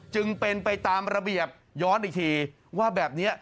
จึงเป็นไปตามระเบียบย้อนอีกทีว่าแบบนี้